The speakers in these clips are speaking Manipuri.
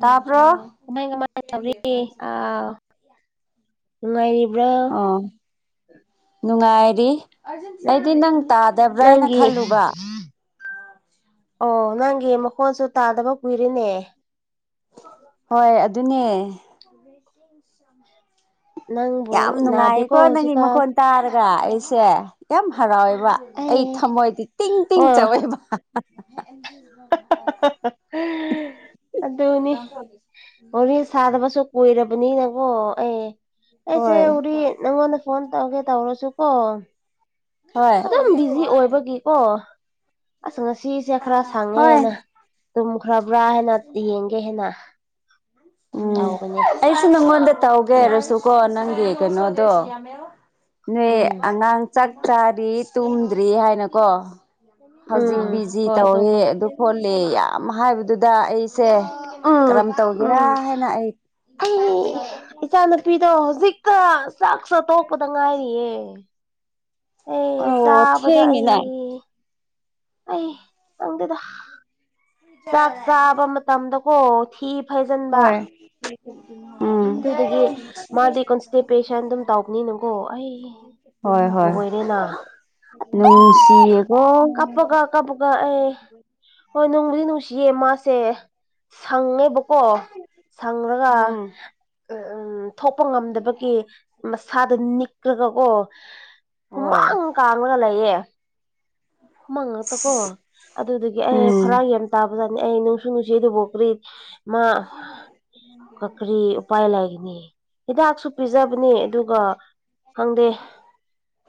ꯇꯥꯕ꯭ꯔꯣ ꯎꯃꯥꯏ [unintelligible] ꯀꯃꯥꯏꯕꯔꯤ ꯑ ꯅꯨꯡꯉꯥꯏꯔꯤꯕ꯭ꯔꯣ ꯑꯣ ꯅꯨꯡꯉꯥꯏꯔꯤ ꯑꯩꯗꯤ ꯅꯪ ꯇꯥꯗꯕ꯭ꯔꯥ ꯍꯥꯏꯅ ꯅꯪꯒꯤ ꯈꯜꯂꯨꯕ ꯑꯣ ꯅꯪꯒꯤ ꯃꯈꯣꯟꯁꯨ ꯇꯥꯗꯕ ꯀꯨꯏꯔꯦꯅꯦ ꯍꯣꯏ ꯑꯗꯨꯅꯦ ꯅꯪꯕꯨ ꯌꯥꯝ ꯅꯥꯗꯦꯀꯣ ꯅꯨꯡꯉꯥꯏꯌꯦꯀꯣ ꯅꯪꯒꯤ ꯍꯧꯖꯤꯛꯀꯥꯟ ꯃꯈꯣꯟ ꯇꯥꯔꯒ ꯑꯩꯁꯦ ꯌꯥꯝ ꯍꯔꯥꯎꯋꯦꯕ ꯑꯩ ꯊꯃꯣꯏꯗꯤ ꯇꯤꯡ ꯇꯤꯡ ꯑꯣ ꯇꯧꯋꯦꯕ [unintelligible] ꯋꯔꯤ ꯁꯥꯗꯕꯁꯨ ꯀꯨꯏꯔꯕꯅꯤꯅꯀꯣ ꯑꯩ ꯑꯩꯁꯦ ꯍꯣꯏ ꯎꯔꯤ ꯅꯪꯉꯣꯟꯗ ꯐꯣꯟ ꯇꯧꯒꯦ ꯇꯧꯔꯁꯨ ꯀꯣ ꯍꯣꯏ ꯑꯗꯨꯝ ꯕꯤꯖꯤ ꯑꯣꯏꯕꯒꯤꯀꯣ ꯑꯁ ꯉꯁꯤꯁꯦ ꯈꯔ ꯁꯪꯉꯦ ꯍꯣꯏ ꯍꯥꯏꯅ ꯇꯨꯝꯈ꯭ꯔꯕ꯭ꯔꯥ ꯍꯥꯏꯦꯅ ꯌꯦꯡꯒꯦ ꯍꯥꯏꯅ ꯎꯝ ꯇꯧꯒꯅꯦ ꯑꯩꯁꯨ ꯅꯪꯉꯣꯟꯗ ꯇꯧꯒꯦꯔꯁꯨꯀꯣ ꯅꯪꯒꯤ ꯀꯩꯅꯣꯗꯣ ꯅꯣꯏ ꯎꯝ ꯑꯉꯥꯡ ꯆꯥꯛ ꯆꯥꯔꯤ ꯇꯨꯝꯗ꯭ꯔꯤ ꯍꯥꯏꯅꯀꯣ ꯍꯧꯖꯤꯛ ꯎꯝ ꯕꯤꯖꯤ ꯍꯣꯏ ꯑꯗꯨꯕꯨ ꯇꯧꯋꯦ ꯑꯗꯨ ꯍꯣꯜꯂ‌ꯦ ꯌꯥꯝ ꯍꯥꯏꯕꯗꯨꯗ ꯑꯩꯁꯦ ꯎꯝ ꯀꯔꯝ ꯇꯧ ꯒꯦꯔꯥ ꯎꯝ ꯍꯥꯏꯅ ꯑꯩ ꯅꯨꯄꯤꯗꯣ ꯍꯧꯖꯤꯛꯀ ꯆꯥꯛꯆ ꯇꯣꯛꯄꯗ ꯉꯥꯏꯔꯤꯌꯦ ꯑꯦ ꯑꯣ ꯆꯥꯕꯗ ꯊꯦꯡꯉꯤꯅ ꯑꯩ ꯑꯩ ꯈꯪꯗꯦꯗ ꯆꯥꯛ ꯆꯥꯕ ꯃꯇꯝꯗꯀꯣ ꯊꯤ ꯐꯩꯖꯤꯟꯕ ꯍꯣꯏ ꯎꯝ ꯑꯗꯨꯗꯒꯤ ꯃꯥꯗꯤ ꯀꯣꯟꯁꯇꯦꯄꯦꯁꯟ ꯑꯗꯨꯝ ꯇꯧꯕꯅꯤꯅꯀꯣ ꯑꯩ ꯍꯣꯏ ꯍꯣꯏ ꯂꯣꯏꯔꯦꯅ ꯅꯨꯡꯁꯤꯌꯦꯀꯣ ꯀꯞꯄꯀꯥ ꯑꯩ ꯍꯣꯏ ꯅꯨꯡꯕꯨꯗꯤ ꯅꯨꯡꯁꯤꯌꯦ ꯃꯥꯁꯦ ꯁꯪꯉꯦꯕ ꯀ‌ꯣ ꯁꯪꯔꯒ ꯎꯝ ꯊꯣꯛꯄ ꯉꯝꯗꯕꯒꯤ ꯃꯁꯥꯗ ꯅꯤꯛꯂꯒꯀꯣ ꯍꯣꯏ ꯍꯨꯃꯥꯡ ꯀꯥꯡꯔꯒ ꯂꯩꯌꯦ ꯍꯨꯃꯥꯡ ꯉꯥꯛꯇ ꯀꯣ ꯑꯗꯨꯗꯨꯒꯤ ꯑꯩ ꯎꯝ ꯐꯔꯥ ꯌꯥꯝ ꯇꯥꯕ꯭ꯔꯥꯅ‌ꯦ ꯑꯩ ꯇꯨꯅꯨꯡꯁꯤꯗꯨꯕꯨ ꯀꯔꯤ ꯃꯥ ꯀꯔꯤ ꯎꯄꯥꯏ ꯂꯥꯏꯒꯤꯅꯤ ꯍꯤꯗꯥꯛꯁꯨ ꯄꯤꯖꯕꯅꯦ ꯑꯗꯨꯒ ꯈꯪꯗꯦ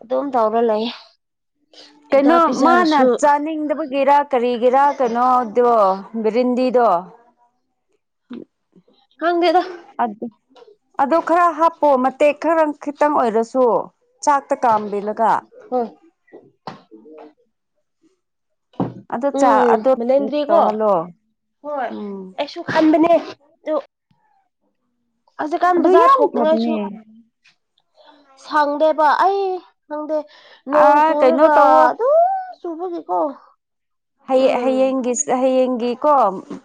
ꯑꯗꯨꯝ ꯇꯧꯔ ꯂꯩ ꯀꯩꯅꯣ ꯍꯤꯗꯥꯛ ꯃꯥꯅ ꯄꯤꯖꯔꯁꯨ ꯆꯥꯅꯤꯡꯗꯕꯒꯤꯔꯥ ꯀꯔꯤꯒꯤꯔ ꯀꯩꯅꯣꯗꯣ ꯕꯔꯤꯟꯗꯤꯗꯣ ꯈꯪꯗꯦꯗ [unintelligible] ꯑꯗꯨꯗ ꯈꯔ ꯍꯥꯞꯄꯣ ꯃꯇꯦꯛ ꯈꯔꯪ ꯈꯤꯇꯪ ꯑꯣꯏꯔꯁꯨ ꯆꯥꯛꯇ ꯀꯥꯝꯕꯤꯂꯒ ꯍꯣꯏ ꯑꯗ‌ꯣ ꯆꯥ ꯎꯝ ꯑꯗ‌ꯣ ꯃꯦꯂꯦꯟꯗ꯭ꯔꯤꯀꯣ ꯇꯧꯍꯜꯂꯣ ꯍꯣꯏ ꯎꯝ ꯑꯩꯁꯨ ꯈꯟꯕꯅꯦ ꯑꯗꯨ ꯍꯧꯖꯤꯛꯀꯥꯟ ꯑꯗꯨ ꯕꯖꯥ꯭ꯔ ꯌꯥꯝ ꯐꯕꯅꯦ ꯊ‌ꯣꯛꯅꯤꯉꯥꯏꯁꯨ ꯁꯪꯗꯦꯕ ꯑꯩ ꯈꯪꯗꯦ ꯅꯣꯡ ꯑꯥ ꯀꯩꯅꯣ ꯆꯨꯔꯒ ꯇꯧꯋꯣ ꯑꯗꯨꯝ ꯆꯨꯕꯒꯤꯀꯣ ꯍꯩ ꯎꯝ ꯍꯩꯌꯦꯡꯒꯤꯁ ꯍꯩꯌꯦꯡꯒꯤꯀꯣ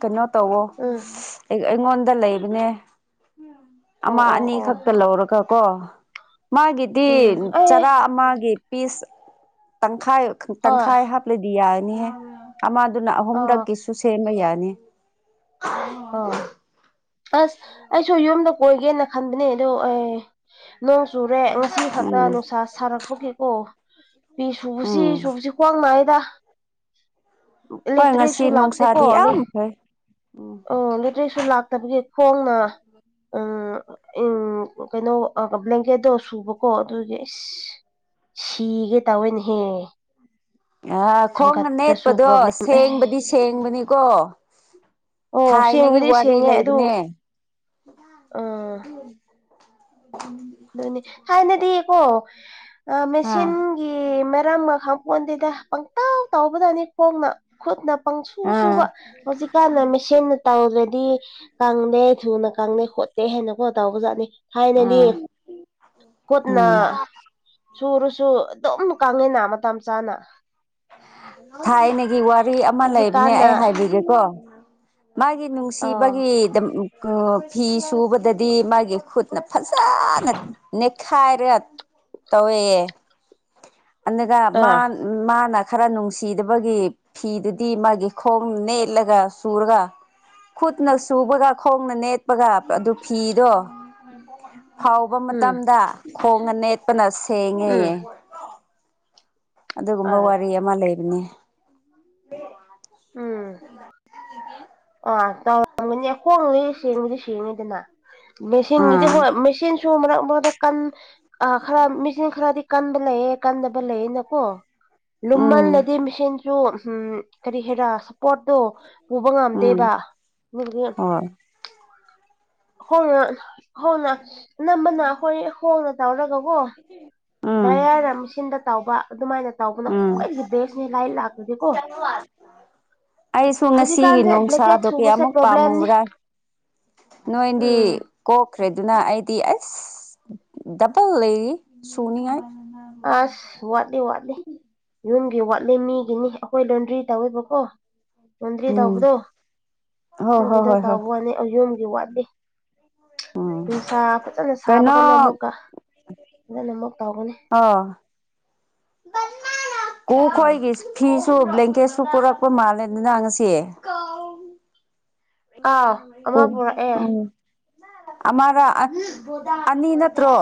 ꯀꯩꯅꯣ ꯇꯧꯋꯣ ꯎꯝ ꯑꯩꯉꯣꯟꯗ ꯂꯩꯕꯅꯦ ꯑꯣ ꯑꯃ ꯑꯣ ꯑꯣ ꯑꯅꯤꯈꯛ ꯇꯥ ꯂꯧꯔꯒ ꯀꯣ ꯃꯥꯒꯤꯗꯤ ꯎꯝ ꯑꯩ ꯆꯔꯥ ꯑꯃꯒꯤ ꯄꯤꯁ ꯇꯪꯈꯥꯏ ꯍꯣꯏ ꯇꯪꯈꯥꯏ ꯍꯥꯞꯂꯗꯤ ꯌꯥꯔꯅꯤꯍꯦ ꯑꯃꯗꯨꯅ ꯑꯥ ꯑꯍꯨꯝꯔꯛꯀꯤꯁꯨ ꯁꯦꯝꯕ ꯌꯥꯅꯤ ꯑꯥ ꯑꯁ ꯑꯩꯁꯨ ꯌꯨꯝꯗ ꯀꯣꯏꯒꯦꯅ ꯈꯟꯕꯅꯦ ꯑꯗꯣ ꯑꯦ ꯅꯣꯡ ꯆꯨꯔꯦ ꯉꯁꯤ ꯈꯛꯇ ꯎꯝ ꯅꯨꯡꯁꯥ ꯁꯥꯔꯛꯄꯒꯤꯀꯣ ꯐꯤ ꯁꯨꯕꯁꯤ ꯎꯝ ꯁꯨꯕꯁꯤ ꯈ꯭ꯋꯥꯡ ꯅꯥꯏꯗ ꯍꯣꯏ ꯉꯁꯤ ꯏꯂꯦꯛꯇ꯭ꯔꯤꯛꯁꯨ ꯅꯨꯡꯁꯥꯗꯤ ꯌꯥꯝꯐꯩ ꯎꯝ ꯑꯣ ꯂꯦꯇ꯭ꯔꯤꯁꯨ ꯂꯥꯛꯇꯕꯒꯤ ꯈꯣꯡꯅ ꯎꯝ ꯎꯝ ꯀꯩꯅꯣ ꯑꯣ ꯕ꯭ꯂꯦꯡꯀꯦꯠꯇꯣ ꯁꯨꯕꯀꯣ ꯑꯗꯨꯒꯤ ꯏꯁ ꯁꯤꯒꯦ ꯇꯥꯌ‌ꯦꯅꯦꯍꯦ ꯑ ꯈꯣꯡ ꯅꯦꯠꯄꯗꯣ ꯄ꯭ꯔꯣꯕ꯭ꯂꯦꯝ ꯑꯦ ꯁꯦꯡꯕꯗꯤ ꯁꯦꯡꯕꯅꯤꯀꯣ ꯑꯣ ꯊꯥꯏꯅꯒꯤ ꯁꯦꯡꯕꯨꯗꯤ ꯋꯥꯔꯤ ꯁꯦꯡꯉꯦ ꯑꯗꯨ ꯂꯩꯕꯅꯦ ꯑꯥ ꯗꯨꯅꯤ ꯍꯥꯟꯅꯗꯤꯀꯣ ꯑꯥ ꯃꯦꯁꯤꯟ ꯒꯤ ꯃꯔꯝꯃ ꯈꯪꯄꯣꯟꯇꯦꯗ ꯄꯪꯇꯧ ꯇꯧꯕꯗꯅꯤ ꯈꯣꯡꯅ ꯈꯨꯠꯅ ꯄꯪꯁꯨ ꯑꯥ ꯁꯨꯕ ꯍꯧꯖꯤꯛꯀꯥꯟꯅ ꯃꯦꯁꯤꯟꯅ ꯇꯧꯗ꯭ꯔꯗꯤ ꯀꯪꯗꯦ ꯊꯨꯅ ꯀꯪꯗꯦ ꯈꯣꯠꯇꯦ ꯍꯦꯅꯀꯣ ꯇꯧꯕꯖꯥꯠꯅꯤ ꯍꯥꯏꯅꯗꯤ ꯑꯥ ꯀꯨꯠꯅ ꯎꯝ ꯁꯨꯔꯁꯨ ꯑꯗꯨꯝ ꯀꯥꯡꯉꯤꯅ ꯃꯇꯝ ꯆꯥꯅ ꯊꯥꯏꯅꯒꯤ ꯋꯥꯔꯤ ꯑꯃ ꯂꯩꯕꯅꯦ ꯍꯧꯖꯤꯛꯀꯥꯟꯅ ꯑꯩ ꯍꯥꯏꯕꯤꯒꯦꯀꯣ ꯃꯥꯒꯤ ꯅꯨꯡ ꯑꯥ ꯁꯤꯕꯒꯤꯗ ꯀꯣ ꯐꯤ ꯁꯨꯕꯗꯗꯤ ꯃꯥꯒꯤ ꯈꯨꯠꯅ ꯐꯖꯥꯅ ꯅꯦꯛꯈꯥꯏꯔ ꯇꯧꯋꯦꯌꯦ ꯑꯟꯅꯨꯒ ꯑꯥ ꯃꯥꯟ ꯃꯥꯅ ꯈꯔ ꯅꯨꯡꯁꯤꯗꯕꯒꯤ ꯐꯤꯗꯨꯗꯤ ꯃꯥꯒꯤ ꯈꯣꯡ ꯅꯦꯠꯂꯒ ꯁꯨꯔꯒ ꯈꯨꯠꯅ ꯁꯨꯕꯒ ꯈꯣꯡꯅ ꯅꯦꯠꯄꯒ ꯑꯗꯨ ꯐꯤꯗꯣ ꯐꯥꯎꯕ ꯎꯝ ꯃꯇꯝꯗ ꯈꯣꯡꯅ ꯅꯦꯠꯄꯅ ꯁꯦꯡꯉꯦ ꯎꯝ ꯑꯗꯨꯒꯨꯝꯕ ꯑꯥ ꯋꯥꯔꯤ ꯑꯃ ꯂꯩꯕꯅꯦ ꯎꯝ ꯑꯥ ꯇꯧꯔꯝꯒꯅꯤ ꯈꯣꯡꯅ ꯁꯦꯡꯗꯤ ꯁꯦꯡꯉꯤꯗꯅ ꯃꯦꯁꯤꯟꯒꯤꯗꯤ ꯑꯥ ꯍꯣꯏ ꯃꯦꯁꯤꯟꯁꯨ ꯃꯔꯛ ꯃꯔꯛꯇ ꯀꯟ ꯑꯥ ꯈꯔ ꯃꯦꯁꯤꯟ ꯈꯔꯗꯤ ꯀꯟꯕ ꯂꯩꯌꯦ ꯀꯟꯗꯕ ꯂꯩꯌꯦꯅꯀꯣ ꯎꯝ ꯂꯨꯝꯃꯜꯂꯗꯤ ꯃꯆꯦꯟꯁꯨ ꯍꯨꯝ ꯀꯔꯤ ꯍꯦꯔꯥ ꯁꯞꯄꯣꯠꯇꯣ ꯄꯨꯕ ꯎꯝ ꯉꯝꯗꯦꯕ ꯑꯗꯨꯗꯨꯒꯤ ꯍꯣꯏ ꯍꯣꯏꯌꯦ ꯍꯣꯡꯅ ꯅꯝꯕꯅ ꯑꯈꯣꯏ ꯍꯣꯡꯅ ꯇꯧꯔꯒꯀꯣ ꯎꯝ ꯗ꯭ꯔꯌꯥꯔꯅ ꯃꯤꯁꯤꯟꯗ ꯇꯧꯕ ꯑꯗꯨꯃꯥꯏꯅ ꯇꯧꯕꯅ ꯎꯝ ꯈ꯭ꯋꯥꯏꯗꯒꯤ ꯕꯦꯁꯅꯤ ꯂꯥꯏꯛ ꯂꯥꯛꯄꯗꯤꯀꯣ [inaudible] ꯑꯩꯁꯨ ꯉꯁꯤꯒꯤ ꯍꯧꯖꯤꯛꯀꯥꯟꯁꯦ ꯕ꯭ꯂꯦꯡꯀꯦꯠ ꯅꯨꯡꯁꯥꯗꯣ ꯁꯨꯕꯁꯦ ꯀꯌꯥꯃꯨꯛ ꯄ꯭ꯔꯣꯕ꯭ꯂꯦꯝꯅꯤ ꯄꯥꯝꯃꯨꯕ꯭ꯔꯥ ꯅꯣꯏꯗꯤ ꯎꯝ ꯀꯣꯛꯈ꯭ꯔꯦ ꯑꯗꯨꯅ ꯑꯩꯗꯤ ꯑꯁ ꯗꯕꯜ ꯂꯩꯔꯤ ꯁꯨꯅꯤꯉꯥꯏ ꯑꯁ ꯋꯥꯠꯂꯤ ꯋꯥꯠꯂꯤ ꯌꯨꯝꯒꯤ ꯋꯥꯠꯂꯤ ꯃꯤꯒꯤꯅꯤ ꯑꯩꯈꯣꯏ ꯂꯣꯟꯗ꯭ꯔꯤ ꯇꯧꯋꯦꯕꯀꯣ ꯂꯣꯟꯗ꯭ꯔꯤ ꯎꯝ ꯇꯧꯕꯗꯣ ꯍꯣꯏ ꯍꯣꯏ ꯗꯨꯒꯤꯗꯣ ꯍꯣꯏ ꯍꯣꯏ ꯇꯥꯎꯕ ꯋꯥꯅꯦ ꯑ ꯌꯨꯝꯒꯤ ꯋꯥꯠꯂꯤ ꯎꯝ ꯅꯨꯡꯁꯥ ꯐꯖꯅ ꯀꯩꯅꯣ ꯁꯥꯕꯒꯅ ꯑꯃꯨꯛꯀ ꯐꯖꯅꯃꯨꯛ ꯇꯧꯒꯅꯤ ꯑꯣ ꯀꯦ ꯎꯝ ꯈꯣꯏꯒꯤꯁ ꯐꯤꯁꯨ ꯕ꯭ꯂꯦꯡꯀꯦꯠꯁꯨ ꯄꯨꯔꯛꯄ ꯃꯥꯜꯂꯤꯗꯅ ꯉꯁꯤ ꯑꯥꯎ ꯑꯃ ꯄꯨꯛ ꯄꯨꯔꯛꯑꯦ ꯑꯧ ꯑꯃꯔꯥ ꯑꯅꯤ ꯅꯠꯇ꯭ꯔꯣ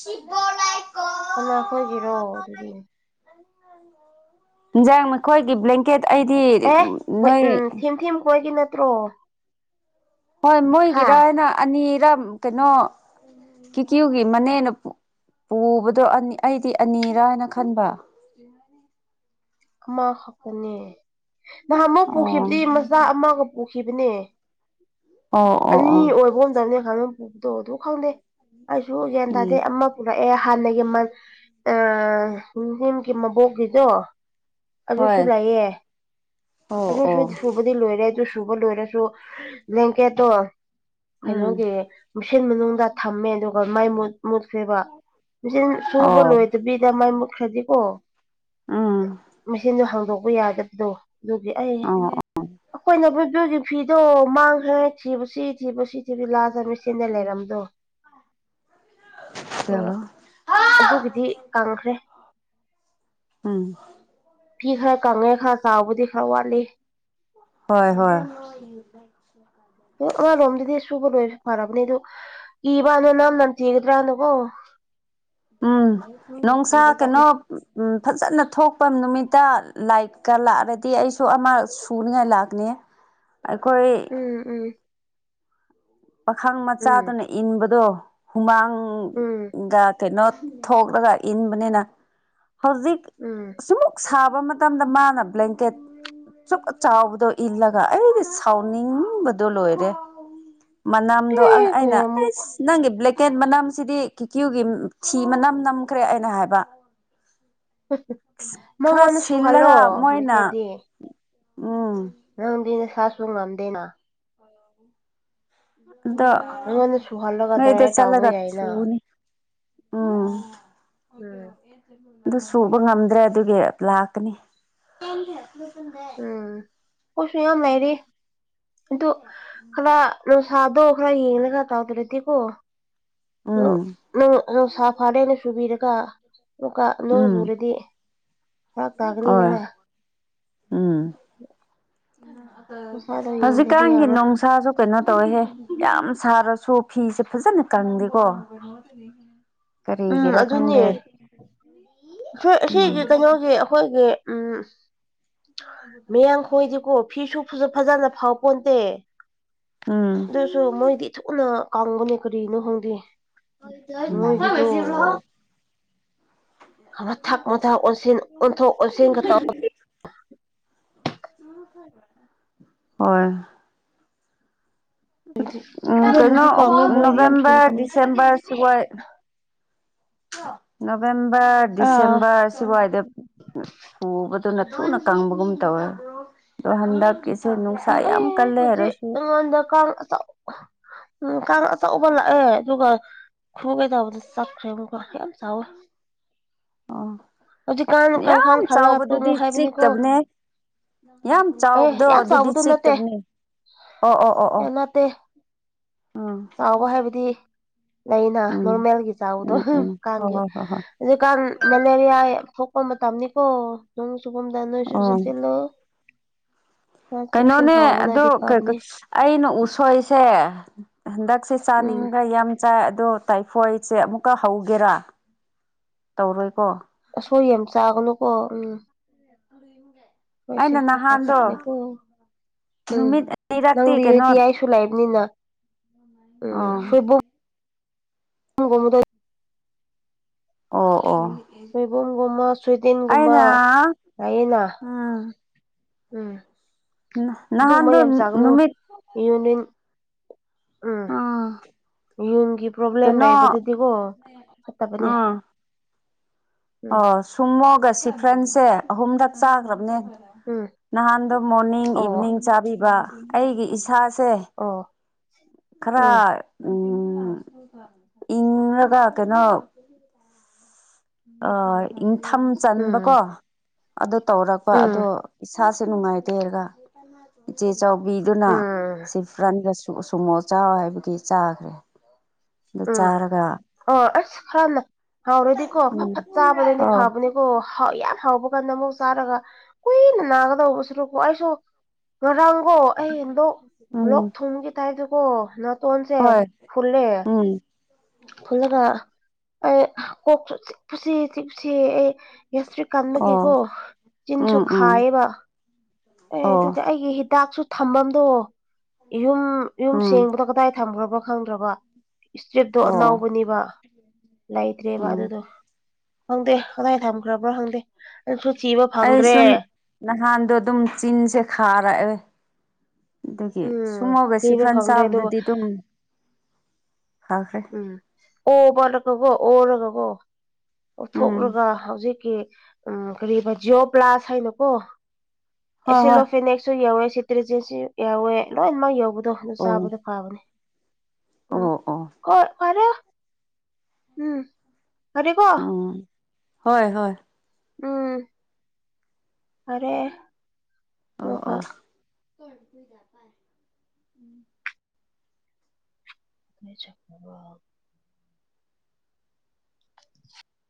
ꯁꯤꯕꯣ ꯂꯥꯏꯀꯣ ꯀꯅꯥꯈꯣꯏꯒꯤꯔꯣ ꯑꯗꯨꯗꯤ ꯏꯟꯖꯥꯡ ꯃꯈꯣꯏꯒꯤ ꯕ꯭ꯂꯦꯡꯀꯦꯠ ꯑꯩꯗꯤ ꯅꯣꯏ ꯊꯦꯝꯈꯣꯏꯒꯤ ꯅꯠꯇ꯭ꯔꯣ ꯍꯣꯏ ꯍꯥ ꯃꯣꯏꯒꯤꯔ ꯍꯥꯏꯅ ꯑꯅꯤꯔꯝ ꯀꯩꯅꯣ ꯀꯤꯀꯤꯌꯨꯒꯤ ꯃꯅꯦꯅ ꯄꯨ ꯄꯨꯕꯗꯣ ꯑꯅꯤ ꯑꯩꯗꯤ ꯑꯅꯤꯔꯥ ꯍꯥꯏꯅ ꯈꯟꯕ ꯑꯃꯈꯛꯇꯅꯦ ꯅꯍꯥꯟꯃꯨꯛ ꯑꯣ ꯄꯨꯈꯤꯕꯗꯤ ꯃꯆꯥ ꯑꯃꯒ ꯄꯨꯈꯤꯕꯅꯦ ꯑꯣ ꯑꯣ ꯑꯅꯤ ꯑꯣ ꯑꯣꯏꯕ [unintelligible] ꯈꯥꯡꯉꯝ ꯄꯨꯕꯗꯣ ꯑꯗꯨ ꯈꯪꯗꯦ ꯑꯩꯁꯨ ꯒ꯭ꯌꯥꯟ ꯎꯝ ꯇꯥꯗꯦ ꯑꯃ ꯄꯨꯔꯛꯑꯦ ꯍꯥꯟꯅꯒꯤ ꯃ ꯑ ꯅꯤꯟꯍꯦꯝ ꯃꯥꯕꯣꯛꯒꯤꯗꯣ ꯑꯗꯨꯁꯨ ꯍꯣꯏ ꯂꯩꯌꯦ ꯑꯣ ꯑꯗꯨꯁꯨ ꯑꯣ ꯁꯨ ꯕꯨꯗꯤ ꯂꯣꯏꯔꯦ ꯑꯗꯨ ꯁꯨꯕ ꯂꯣꯏꯔꯁꯨ ꯕ꯭ꯂꯦꯀꯦꯠꯇꯣ ꯎꯝ ꯀꯩꯅꯣꯒꯤ ꯃꯨꯁꯤꯟ ꯃꯅꯨꯡꯗ ꯊꯝꯃꯦ ꯑꯗꯨꯒ ꯃꯩ ꯃꯨꯠ ꯃꯨꯠꯈ꯭ꯔꯦꯕ ꯃꯦꯆꯤꯟ ꯁꯨꯕ ꯑꯣ ꯂꯣꯏꯗꯕꯤꯗ ꯃꯩ ꯃꯨꯠꯈ꯭ꯔꯗꯤꯀꯣ ꯎꯝ ꯃꯦꯆꯤꯟꯗꯣ ꯍꯥꯡꯗꯣꯛꯄ ꯌꯥꯗꯕꯗꯣ ꯑꯗꯨꯒꯤ ꯑꯩ ꯑꯣ ꯑꯩꯈꯣꯏꯅꯕꯨ [unintelligible] ꯐꯤꯗꯣ ꯃꯥꯡꯈ꯭ꯔꯦ ꯊꯤꯕꯁꯤ ꯊꯤꯕꯁꯤ ꯊꯤꯕꯤ ꯂꯥꯖꯝꯃꯤ ꯁꯤꯅ ꯎꯝ ꯂꯩꯔꯝꯗꯣ ꯑꯣ ꯆꯂꯣ ꯑꯗꯨꯒꯤꯗꯤ ꯀꯪꯈ꯭ꯔꯦ ꯎꯝ ꯐꯤ ꯈꯔ ꯀꯪꯉꯦ ꯈꯔ ꯆꯥꯎꯕꯗꯤ ꯈꯔ ꯋꯥꯠꯂꯤ ꯍꯣꯏ ꯍꯣꯏ [unintelligible] ꯑꯃꯔꯣꯝꯗꯗꯤ ꯁꯨꯕ ꯂꯣꯏꯔꯁꯨ ꯐꯔꯕꯅꯦ ꯑꯗꯨ ꯏꯕꯅ ꯅꯝ ꯅꯝꯊꯤꯒꯗ꯭ꯔꯅꯀꯣ ꯎꯝ ꯅꯣꯡꯁꯥ ꯀꯩꯅꯣ ꯀꯤꯕꯖꯥꯠꯅꯤ ꯎꯝ ꯐꯖꯅ ꯊꯣꯛꯄ ꯅꯨꯃꯤꯠꯇ ꯂꯥꯏꯀ ꯂꯥꯛꯑꯔꯗꯤ ꯑꯩꯁꯨ ꯑꯃ ꯁꯨꯅꯤꯉꯥꯏ ꯂꯥꯛꯅꯤ ꯑꯩꯈꯣꯏ ꯎꯝ ꯎꯝ ꯄꯥꯈꯪ ꯎꯝ ꯃꯆꯥꯗꯨꯅ ꯏꯟꯕꯗꯣ ꯍꯨꯃꯥꯡ ꯎꯝ ꯀꯩꯩꯅꯣ ꯊꯣꯛꯂꯒ ꯏꯟꯕꯅꯤꯅ ꯍꯧꯖꯤꯛ ꯎꯝ ꯁꯤꯃꯨꯛ ꯁꯥꯕ ꯃꯇꯝꯗ ꯃꯥꯅ ꯕ꯭ꯂꯦꯡꯀꯦꯠ ꯆꯨꯞ ꯆꯥꯎꯕꯗꯣ ꯏꯜꯂꯒ ꯑꯩꯗꯤ ꯁꯥꯎꯅꯤꯡꯕꯗꯣ ꯂꯣꯏꯔꯦ ꯃꯅꯝꯗꯣ ꯑꯦ ꯑꯩꯅ ꯀꯌꯥꯃꯨꯛ ꯑꯩꯁ ꯅꯪꯒꯤ ꯕ꯭ꯂꯦꯛꯀꯦꯠ ꯃꯅꯝꯁꯤꯗꯤ ꯀꯤꯀ꯭ꯌꯨꯒꯤ ꯊꯤ ꯃꯅꯝ ꯅꯝꯈ꯭ꯔꯦ ꯑꯩꯅ ꯍꯥꯏꯕ ꯈꯔ ꯃꯉꯣꯟꯅ ꯁꯨꯍꯜꯂꯣ ꯁꯤꯜꯂꯒ ꯃꯣꯏꯅ ꯂꯩꯀꯦꯗꯤ ꯎꯝ ꯅꯪꯗꯤ ꯅꯁꯥꯁꯨ ꯉꯝꯗꯦꯅꯥ ꯑꯗꯣ ꯅꯪꯉꯣꯟꯗ ꯁꯨꯍꯜꯂꯒ ꯉꯩꯗ ꯗ꯭ꯔꯥꯏ ꯇꯧꯕ ꯆꯠꯂꯒ ꯌꯥꯏꯅ ꯁꯨꯅꯤ ꯎꯝ ꯎꯝ ꯑꯗꯨ ꯁꯨꯕ ꯉꯝꯗ꯭ꯔꯦ ꯑꯗꯨꯒꯤ ꯂꯥꯛꯀꯅꯤ [unintelligible] ꯎꯝ ꯄꯣꯠꯁꯨ ꯌꯥꯝ ꯂꯩꯔꯤ ꯑꯗꯨ ꯈꯔ ꯅꯨꯡꯁꯥꯗꯣ ꯈꯔ ꯌꯦꯡꯉ ꯈꯔ ꯇꯧꯗ꯭ꯔꯦꯗꯤꯀꯣ ꯎꯝ ꯅꯨꯡꯁꯥ ꯐꯥꯅꯦꯅ ꯁꯨꯕꯤꯔꯒ ꯑꯇꯨꯀꯥ ꯅꯣꯡ ꯎꯝ ꯆꯨꯔꯗꯤ ꯐꯔꯥꯛ ꯍꯣꯏ ꯇꯥꯒꯅꯤꯗꯅ ꯎꯝ ꯅꯨꯡꯁꯥꯗꯣ ꯌꯦꯡꯗ꯭ꯔꯗꯤ ꯍꯧꯖꯤꯛꯀꯥꯟꯒꯤ ꯌꯥꯔꯣꯏ ꯅꯨꯡꯁꯥꯁꯨ ꯀꯩꯅꯣ ꯇꯧꯋꯦꯍꯦ ꯌꯥꯝ ꯁꯥꯔꯁꯨ ꯐꯤꯁꯦ ꯐꯖꯅ ꯀꯪꯗꯦꯀꯣ ꯎꯝ ꯀꯔꯤꯒꯤꯔꯥ ꯑꯗꯨꯅꯦ ꯈꯪꯗꯦ ꯑꯁꯤꯒꯤ ꯎꯝ ꯀꯩꯅꯣꯒꯤ ꯑꯩꯈꯣꯏꯒꯤ ꯎꯝ ꯃꯌꯥꯡ ꯈꯣꯏꯗꯤꯀꯣ ꯐꯤꯁꯨ ꯐꯖꯅ ꯐꯥꯎ ꯄꯣꯟꯇꯦ ꯎꯝ ꯑꯗꯨꯁꯨ ꯃꯣꯏꯗꯤ ꯊꯨꯅ ꯀꯪꯕꯅꯤ ꯀꯔꯤꯅꯣ ꯈꯪꯗꯦ ꯎꯝ ꯃꯣꯏꯒꯤꯗꯣ [unintelligible] ꯃꯊꯛ ꯃꯊꯥ ꯑꯣꯟꯁꯤꯟ ꯑꯣꯟꯊꯣꯛ ꯑꯣꯟꯁꯤꯟꯒ ꯇꯧ ꯍꯣꯏ ꯎꯝ ꯀꯩꯅꯣ ꯐꯖꯅꯗꯤ ꯀꯪꯉꯦ ꯑꯣꯛ ꯃꯣꯏꯗꯤ ꯌꯥꯝ ꯊꯨꯅ ꯅꯚꯦꯝꯕꯔ ꯀꯪꯕꯅꯦ ꯗꯤꯁꯦꯕꯔ ꯁꯨꯋꯥꯏ ꯅꯕꯦꯝꯕꯔ ꯑꯥ ꯗꯤꯁꯦꯝꯕꯔ ꯁꯨꯋꯥꯏꯗ ꯁꯨꯕꯗꯨꯅ ꯊꯨꯅ ꯀꯪꯕꯒꯨꯝ ꯇꯧꯋꯦ ꯑꯗꯣ ꯍꯟꯗꯛꯀꯤꯁꯤ ꯁꯤ ꯅꯨꯡꯁꯥ ꯌꯥꯝ ꯀꯜꯂꯦ ꯍꯥꯏꯔꯁꯨ ꯁꯣꯟꯗ ꯀꯥꯡ ꯑꯆꯧ ꯎꯝ ꯀꯥꯡ ꯑꯆꯧꯕ ꯂꯥꯛꯑꯦ ꯑꯗꯨꯒ ꯈ꯭ꯔꯨꯒꯩ ꯇꯧꯕꯗ ꯆꯥꯛ [unintelligible] ꯌꯥꯝ ꯆꯥꯎꯋꯦ ꯑꯣ ꯍꯧꯖꯤꯛꯀꯥꯥꯟ ꯌꯥꯝ ꯀꯥꯥꯡꯈꯟ ꯈꯜꯂꯒ ꯆꯥꯎꯕꯗꯨꯗꯤ ꯇꯨꯝꯃꯨ ꯍꯥꯏꯕꯤꯅꯤꯀꯣ ꯆꯤꯛꯇꯕꯅꯦ ꯌꯥꯝ ꯆꯥꯎꯕꯗꯣ ꯑꯗꯨꯗꯤ ꯅꯠꯇꯦ ꯆꯤꯛꯇꯕꯅꯤ ꯑꯣ ꯑꯣ ꯑꯣ ꯑꯣ ꯇꯦ ꯑꯣꯡ ꯂꯩꯩꯅ ꯅꯣꯔꯃꯦꯜꯒꯤ ꯆꯥꯎꯕꯗꯣ ꯎꯝ ꯍꯣꯏ ꯀꯥꯡꯒꯤ ꯍꯣꯏ ꯍꯣꯏ ꯍꯣꯏ ꯍꯧꯖꯤꯛꯀꯥꯟ ꯃꯦꯂꯦꯔꯤꯌꯥ ꯌꯥꯝ ꯊꯣꯛꯄ ꯃꯇꯝꯅꯤꯀꯣ ꯅꯣꯡ ꯆꯨꯕꯝꯗ ꯅꯣꯏꯁꯨ ꯑꯣ ꯆꯦꯛꯁꯤꯜꯂꯨ ꯀꯩꯅꯣꯅꯦ ꯑꯗꯨ ꯆꯦꯛꯁꯤꯟꯍꯧꯕꯅꯗꯤ ꯀꯥꯀꯥ ꯐꯕꯅꯤ ꯑꯩꯅ ꯎꯁꯣꯏꯁꯦ ꯍꯟꯗꯛꯁꯦ ꯎꯝ ꯆꯥꯅꯤꯡꯕ꯭ꯔ ꯌꯥꯝ ꯆꯥꯏ ꯑꯗꯣ ꯇꯥꯏꯐꯣꯏꯗꯁꯦ ꯑꯃꯨꯛꯀ ꯍꯧꯒꯦꯔꯥ ꯇꯧꯔꯣꯏꯀꯣ ꯎꯁꯣꯏ ꯌꯥꯝ ꯆꯥꯒꯅꯨꯀꯣ ꯎꯝ [unintelligible] ꯍꯣꯏꯁꯦ ꯅꯍꯥꯟꯗꯣ [unintelligible] ꯎꯝ ꯅꯨꯃꯤꯠ ꯑꯅꯤꯔꯛꯇꯤ ꯅꯪꯗꯤ ꯀꯩꯅꯣ ꯌꯨꯇꯤꯌꯥꯏꯁꯨ ꯂꯩꯥꯕꯅꯤꯅ ꯑꯣ ꯎꯝꯒꯨꯝꯕꯗꯨ ꯑꯣ ꯑꯣ ꯁꯣꯏꯕꯨꯝꯒꯨꯝꯕ ꯁꯣꯏꯗꯤꯟꯒꯨꯝꯕ ꯑꯩꯅ ꯆꯥꯏꯌꯦꯅ ꯎꯝ ꯎꯝ ꯅ ꯅꯍꯥꯟꯗꯣ ꯅꯨꯃꯤꯠ ꯌꯨꯅꯤꯟ ꯎꯝ ꯌꯨꯡꯒꯤ ꯄ꯭ꯔꯣꯕ꯭ꯂꯦꯝ ꯀꯩꯅꯣ ꯂꯩꯕꯗꯨꯗꯤꯒꯣ ꯐꯠꯇꯕꯅꯦ ꯎꯝ ꯎꯝ ꯑꯣ ꯁꯨꯝꯃꯣꯒ ꯁꯤꯐ꯭ꯔꯦꯟꯁꯦ ꯑꯍꯨꯝꯂꯛ ꯆꯥꯈ꯭ꯔꯕꯅꯦ ꯎꯝ ꯅꯍꯥꯟꯗꯣ ꯃꯣꯔꯅꯤꯡ ꯑꯣ ꯏꯚꯤꯅꯤꯡ ꯆꯥꯕꯤꯕ ꯑꯩꯒꯤ ꯏꯁꯥꯁꯦ ꯑꯣ ꯈꯔ ꯎꯝ ꯎꯝ ꯏꯪꯔꯒ ꯀꯩꯅꯣ ꯑ ꯏꯪꯊꯝ ꯎꯝ ꯆꯟꯕꯀꯣ ꯑꯗꯨ ꯇꯧꯔꯛꯄ ꯎꯝ ꯑꯗꯣ ꯏꯁꯥꯁꯦ ꯅꯨꯡꯉꯥꯏꯇꯦꯔꯒ ꯏꯆꯦ ꯆꯧꯕꯤꯗꯨꯅ ꯎꯝ ꯁꯤꯐ꯭ꯔꯟꯒ ꯁꯨ ꯁꯨꯝꯃꯣ ꯆꯥꯎ ꯍꯥꯏꯕꯒꯤ ꯆꯥꯈ꯭ꯔꯦ ꯑꯗꯨ ꯎꯝ ꯆꯥꯔꯒ ꯑꯣ ꯑꯁ ꯈꯔꯅ ꯍꯥꯎꯔꯗꯤꯀꯣ ꯐꯠ ꯎꯝ ꯐꯠ ꯆꯥꯕꯗꯗꯤ ꯑꯣ ꯐꯕꯅꯤꯀꯣ ꯍꯥꯎ ꯌꯥꯝ ꯍꯥꯎꯕ ꯕꯅꯥ ꯑꯃꯨꯛ ꯆꯥꯔꯒ ꯀꯨꯏꯅ ꯅꯥꯒꯗꯧꯕ ꯁꯔꯨꯛꯄꯨ ꯑꯩꯁꯨ ꯉꯔꯥꯡꯒꯣ ꯑꯩ ꯂꯣꯛ ꯎꯝ ꯂꯣꯛ ꯊꯨꯡꯒꯦ ꯇꯥꯏꯞꯇꯀꯣ ꯅꯥꯠ ꯇꯣꯟꯁꯦ ꯍꯣꯏ ꯐꯨꯜꯂꯦ ꯎꯝ ꯐꯨꯜꯂꯒ ꯑꯩ ꯀꯣꯛꯁꯨ ꯆꯤꯛꯄꯁꯤ ꯆꯤꯛꯄꯁꯤ ꯑꯩ ꯒ꯭ꯌꯥꯁꯇ꯭ꯔꯤ ꯑꯣ ꯀꯟꯕꯒꯤꯀꯣ ꯆꯤꯟꯁꯨ ꯎꯝ ꯎꯝ ꯈꯥꯏꯌꯦꯕ ꯑꯦ ꯑꯣ ꯑꯗꯨꯒꯤ ꯑꯩꯒꯤ ꯍꯤꯗꯥꯛꯁꯨ ꯊꯝꯕꯝꯗꯣ ꯌꯨꯝ ꯌꯨꯝ ꯎꯝ ꯁꯦꯡꯕꯗꯣ ꯀꯗꯥꯏ ꯊꯝꯒ꯭ꯔꯕ ꯈꯪꯗ꯭ꯔꯕ ꯁꯇ꯭ꯔꯤꯞꯇꯣ ꯑꯣ ꯑꯅꯧꯕꯅꯤꯕ ꯂꯩꯇ꯭ꯔꯦꯕ ꯎꯝ ꯑꯗꯨꯗꯣ ꯈꯪꯗꯦ ꯀꯗꯥꯏ ꯊꯝꯈ꯭ꯔꯕ꯭ꯔꯣ ꯈꯪꯗꯦ ꯑꯩꯁꯨ ꯊꯤꯕ ꯑꯩ ꯐꯪꯗ꯭ꯔꯦ ꯁꯨꯝ ꯅꯍꯥꯟꯗꯣ ꯑꯗꯨꯝ ꯆꯤꯟꯁꯦ ꯈꯥꯔꯛꯑꯦ ꯑꯗꯒꯤ ꯎꯝ ꯁꯨꯝꯉꯧꯒ ꯊꯤꯕ ꯁꯤꯐ꯭ꯔꯟ ꯐꯪꯗ꯭ꯔꯦ ꯑꯗꯨꯒ ꯆꯥꯕꯗꯨꯗꯤ ꯑꯗꯨꯝ ꯐꯈ꯭ꯔꯦ ꯎꯝ ꯑꯣ ꯃꯠꯂꯒꯒꯣ ꯑꯣꯔꯒꯀꯣ ꯎꯝ ꯑꯣꯠꯊꯣꯛꯂꯒ ꯍꯧꯖꯤꯛꯀꯤ ꯎꯝ ꯀꯔꯤꯕ ꯖꯤꯑꯣ ꯄ꯭ꯂꯥꯁ ꯍꯥꯏꯅꯀꯣ ꯍꯣꯏ ꯍꯣꯏ ꯑꯦꯁꯤꯂꯣꯐꯤꯅꯦꯁ ꯨ ꯁꯨ ꯌꯧꯋꯦ ꯁꯤꯇ꯭ꯔꯦꯆꯦꯟꯁꯨ ꯌꯥꯎꯋꯦ ꯂꯣꯏꯅꯃꯛ ꯌꯧꯕꯗꯣ ꯑꯗꯨ ꯑꯣ ꯆꯥꯕꯗꯣ ꯐꯕꯅꯦ ꯎꯝ ꯑꯣ ꯑꯣ ꯍꯣꯏ ꯐꯔꯦ ꯎꯝ ꯐꯔꯦꯀꯣ ꯎꯝ ꯍꯣꯏ ꯍꯣꯏ ꯎꯝ ꯐꯔꯦ ꯑꯣ ꯑꯃꯨꯛꯀ ꯑꯣ [inaudible]